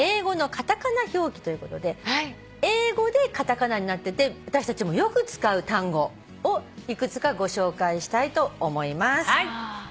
英語でカタカナになってて私たちもよく使う単語をいくつかご紹介したいと思います。